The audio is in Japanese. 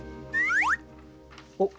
おっ！